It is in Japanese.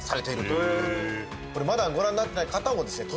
これまだご覧になってない方もですね